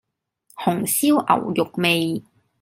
紅燒牛肉味